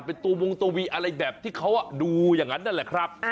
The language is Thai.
เป็นตัววงตัววีอะไรแบบที่เขาดูอย่างนั้นนั่นแหละครับ